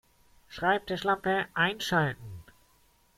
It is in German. Schreibtischlampe einschalten